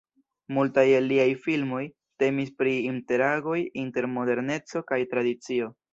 Multaj el liaj filmoj temis pri interagoj inter moderneco kaj tradicio.